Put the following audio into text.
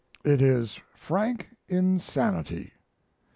It is frank insanity.